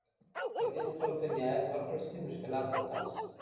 که دین خلګو ته نهایت ورکړل سي، مشکلات به کم سي.